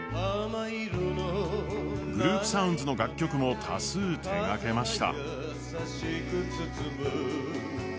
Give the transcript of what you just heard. グループサウンズの楽曲も多数手がけました。